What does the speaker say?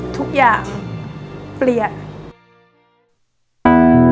ทุกอย่างเปลี่ยน